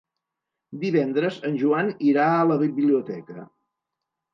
Divendres en Joan irà a la biblioteca.